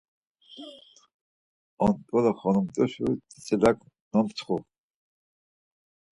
Ont̆ule xonumt̆uşa tzitzilak nomtsxu.